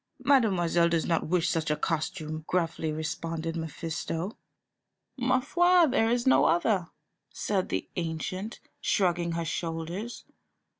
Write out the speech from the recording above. "Mademoiselle does not wish such a costume," gruffly responded Mephisto. "Ma foi, there is no other," said the ancient, shrugging her shoulders.